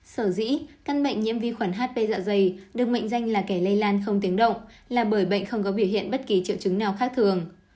sở dĩ căn bệnh nhiễm vi khuẩn hp dạ dày được mệnh danh là kẻ lây lan không tiếng động là bởi bệnh không có biểu hiện bất kỳ triệu chứng nào khác thường